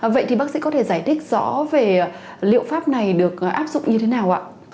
vậy thì bác sĩ có thể giải thích rõ về liệu pháp này được áp dụng như thế nào ạ